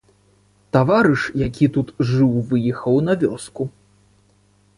Таварыш, які тут жыў, выехаў на вёску.